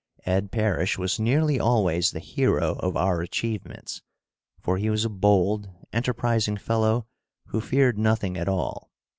Ed Parish was nearly always the hero of our achievements, for he was a bold, enterprising fellow, who feared nothing at all.